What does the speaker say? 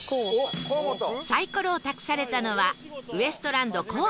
サイコロを託されたのはウエストランド河本さん